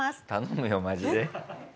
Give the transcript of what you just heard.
頼むよマジで。